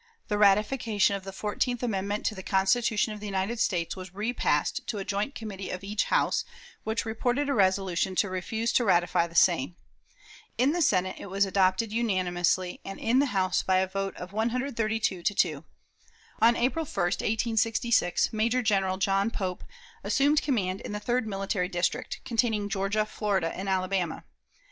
The ratification of the fourteenth amendment to the Constitution of the United States was repassed to a joint committee of each House, which reported a resolution to refuse to ratify the same. In the Senate it was adopted unanimously, and in the House by a vote of 132 to 2. On April 1, 1866, Major General John Pope assumed command in the third military district, containing Georgia, Florida, and Alabama.